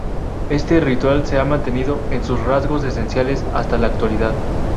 Este ritual se ha mantenido en sus rasgos esenciales hasta la actualidad.